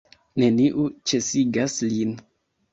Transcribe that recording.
Neniu ĉesigas lin.